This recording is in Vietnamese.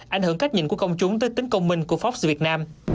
ảnh hưởng cách nhìn của công chúng tới tính công minh của foxi việt nam